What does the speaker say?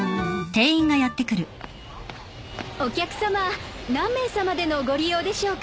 お客さま何名さまでのご利用でしょうか？